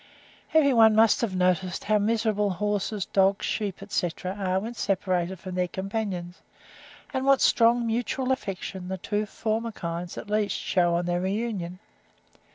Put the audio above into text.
Every one must have noticed how miserable horses, dogs, sheep, etc., are when separated from their companions, and what strong mutual affection the two former kinds, at least, shew on their reunion.